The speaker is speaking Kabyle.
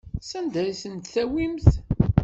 Sanda ara ten-tawimt?